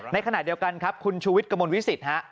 ในขณะเดียวกันครับคุณชูวิทย์กระมวลวิสิตฮะ